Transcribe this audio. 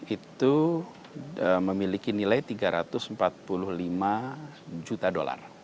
itu memiliki nilai tiga ratus empat puluh lima juta dolar